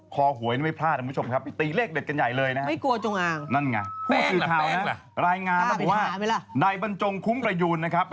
หวยนี่ไม่พลาดคุณผู้ชมครับตีเลขเด็ดกันใหญ่เลยนะครับ